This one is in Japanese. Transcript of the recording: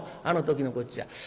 「あの時のこっちゃ。